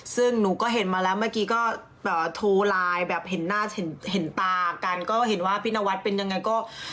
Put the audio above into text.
ซึ่งหนูก็เห็นมาแล้วเมื่อกี้ก็โทรไลน์แบบเห็นหน้าเห็นตากันก็เห็นว่าพี่นวัดเป็นยังไงก็